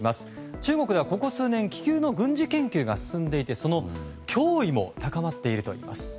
中国ではここ数年気球の軍事研究が進んでいてその脅威も高まっているといいます。